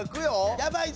やばいぞ！